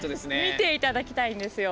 見て頂きたいんですよ。